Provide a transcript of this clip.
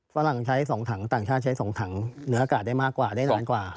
ฝรั่งใช้๒ถังต่างชาติใช้๒ถังเนื้ออากาศได้มากกว่าได้นานกว่า